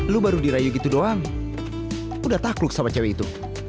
lo baru dirayu gitu doang udah takluk sama cewek itu